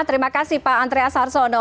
terima kasih pak andreas arsono